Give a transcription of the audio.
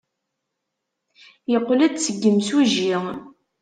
Teqqel-d seg yimsujji.